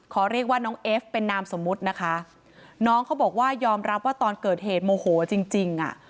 เรียกว่าน้องเอฟเป็นนามสมมุตินะคะน้องเขาบอกว่ายอมรับว่าตอนเกิดเหตุโมโหจริงจริงอ่ะ